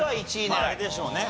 あれでしょうね。